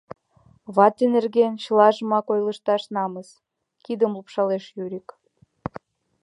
— Вате нерген чылажымак ойлышташ намыс, — кидым лупшалеш Юрик.